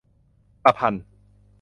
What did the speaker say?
ประพันธ์